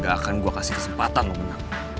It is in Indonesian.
gak akan gue kasih kesempatan mau menang